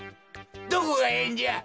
どこがええんじゃ！